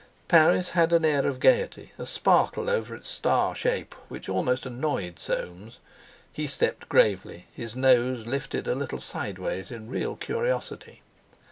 Paris had an air of gaiety, a sparkle over its star shape which almost annoyed Soames. He stepped gravely, his nose lifted a little sideways in real curiosity.